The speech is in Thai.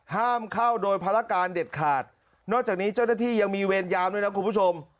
ห้ามเข้าโดยภารการเด็ดขาดนอกจากนี้เจ้าหน้าที่ยังมีเวรยามด้วยนะคุณผู้ชม